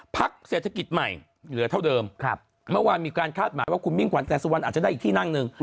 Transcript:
เพราะว่าคุณมิ่งขวัญแต่สุวรรณอาจจะได้อีกที่นั่งหนึ่ง